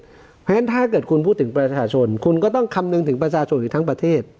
เพราะฉะนั้นถ้าเกิดคุณพูดถึงประชาชนคุณก็ต้องคำนึงถึงประชาชนอยู่ทั้งประเทศ